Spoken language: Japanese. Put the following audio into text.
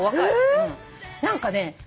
何かね